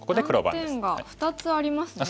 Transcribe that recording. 断点が２つありますね。